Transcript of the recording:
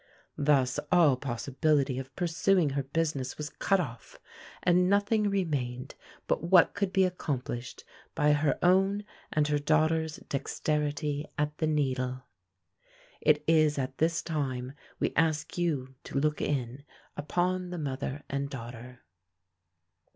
Thus all possibility of pursuing her business was cut off, and nothing remained but what could be accomplished by her own and her daughter's dexterity at the needle. It is at this time we ask you to look in upon the mother and daughter.